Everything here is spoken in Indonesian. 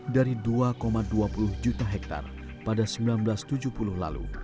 dari dua dua puluh juta hektare pada seribu sembilan ratus tujuh puluh lalu